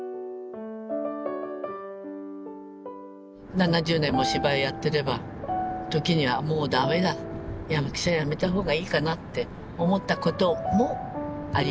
７０年も芝居やってれば時にはもうダメだ役者やめたほうがいいかなって思ったこともありますよね。